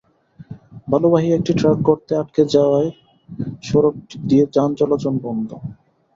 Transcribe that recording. বালুবাহী একটি ট্রাক গর্তে আটকে যাওয়ায় সড়কটি দিয়ে যান চলাচল বন্ধ।